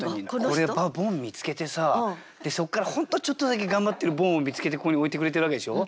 これボン見つけてさそこから本当にちょっとだけ頑張ってるボンを見つけてここに置いてくれてるわけでしょう？